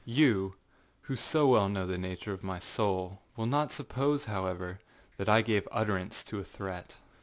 You, who so well know the nature of my soul, will not suppose, however, that I gave utterance to a threat.